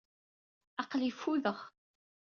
Aql-i ffudeɣ.